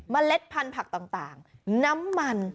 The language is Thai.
เล็ดพันธุ์ผักต่างน้ำมัน